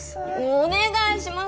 お願いします